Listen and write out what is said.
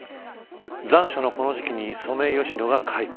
残暑のこの時期にソメイヨシノが開花。